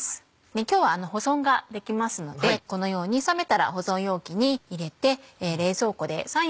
今日は保存ができますのでこのように冷めたら保存容器に入れて。